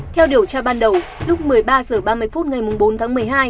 theo điều tra ban đầu lúc một mươi ba h ba mươi phút ngày bốn tháng một mươi hai